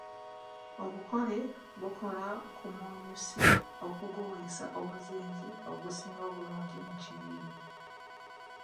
Obukole bukola ku munyusi okuguweesa omuzinzi ogusinga obulungi mu kiyiiye.